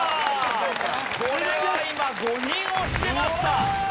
これは今５人押してました。